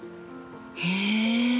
へえ。